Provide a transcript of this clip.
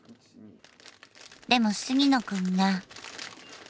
でも杉野くんが。